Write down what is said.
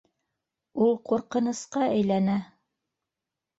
Ул ҡурҡынысҡа әйләнә!